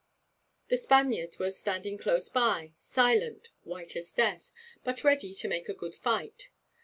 The Spaniard was standing close by, silent, white as death, but ready to make a good fight.